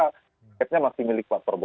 akhirnya masih milik pak probo